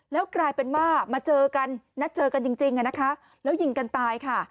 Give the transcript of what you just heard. แล้วกลายเป็นว่ามาเจอกันนัดเจอกันจริงนะคะแล้วยิงกันตายค่ะ